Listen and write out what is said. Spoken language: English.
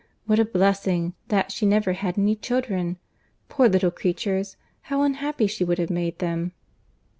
What a blessing, that she never had any children! Poor little creatures, how unhappy she would have made them!"